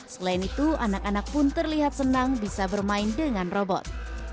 selain itu anak anak pun terlihat senang bisa bermain dengan robot